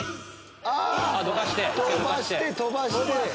飛ばして飛ばして。